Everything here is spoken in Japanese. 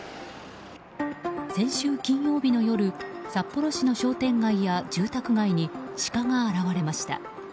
先週金曜日の夜札幌市の商店街や住宅街にシカが現れました。